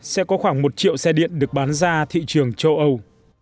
sẽ có khoảng một triệu xe điện được bán ra thị trường châu âu